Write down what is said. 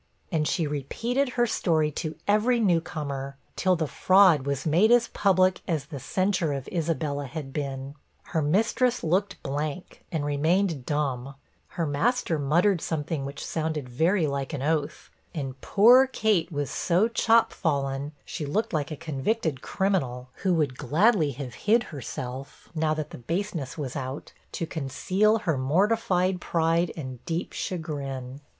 And she repeated her story to every new comer, till the fraud was made as public as the censure of Isabella had been. Her mistress looked blank, and remained dumb her master muttered something which sounded very like an oath and poor Kate was so chop fallen, she looked like a convicted criminal, who would gladly have hid herself, (now that the baseness was out,) to conceal her mortified pride and deep chagrin.